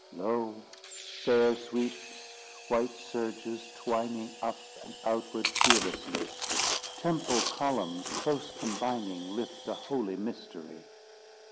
Lo! fair sweeps, white surges, twining Up and outward fearlessly! Temple columns, close combining, Lift a holy mystery.